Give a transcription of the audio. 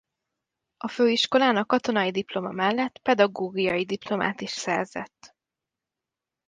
A főiskolán a katonai diploma mellett pedagógiai diplomát is szerzett.